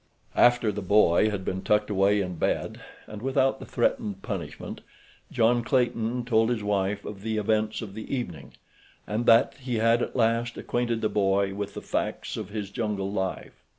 After the boy had been tucked away in bed—and without the threatened punishment—John Clayton told his wife of the events of the evening, and that he had at last acquainted the boy with the facts of his jungle life.